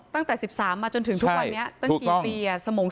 ตั้งแต่๑๓มาจนถึงทุกวันนี้ตั้งกี่ปี